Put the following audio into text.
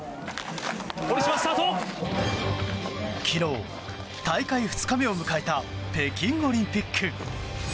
昨日、大会２日目を迎えた北京オリンピック。